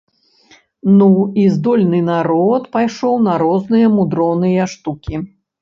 Ну, і здольны народ пайшоў на розныя мудроныя штукі!